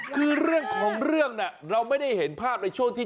คือเรื่องของเรื่องน่ะเราไม่ได้เห็นภาพในช่วงที่